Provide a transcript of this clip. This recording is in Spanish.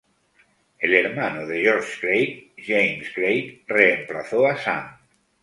El hermano de George Craig, James Craig, reemplazó a Sam.